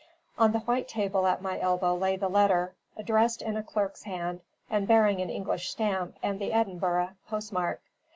On the white cloth at my elbow lay the letter, addressed in a clerk's hand, and bearing an English stamp and the Edinburgh postmark.